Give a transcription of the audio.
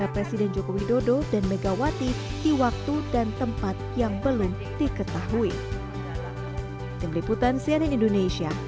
presiden joko widodo dan megawati di waktu dan tempat yang belum diketahui tim liputan cnn indonesia